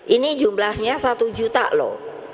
ini jumlahnya satu juta loh